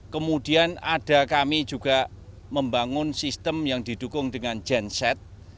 kemudian ada kami juga membangun sistem yang didukung dengan genset